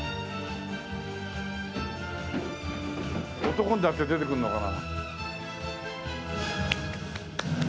男になって出てくるのかな？